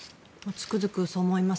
つくづくそう思います。